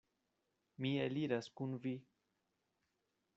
Mi eliras kun vi.